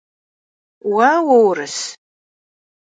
Vue vuurıs?